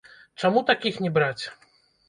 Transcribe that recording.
Чаму такіх не браць?